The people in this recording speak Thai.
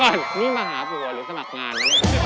เดี๋ยวก่อนนี่มหาผู้หัวหรือสมัครงาน